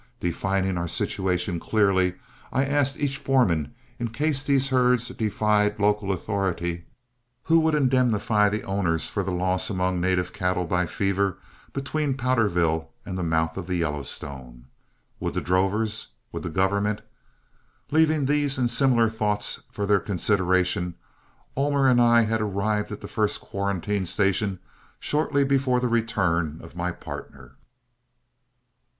Defining our situation clearly, I asked each foreman, in case these herds defied local authority, who would indemnify the owners for the loss among native cattle by fever between Powderville and the mouth of the Yellowstone. Would the drovers? Would the government? Leaving these and similar thoughts for their consideration, Ullmer and I had arrived at the first quarantine station shortly before the return of my partner.